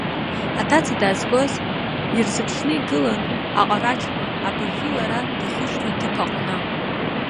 Аҭаца даазгоз ирзыԥшны игылан аҟарачқәа, абыржәы лара дахьышьҭоу аҭыԥ аҟны.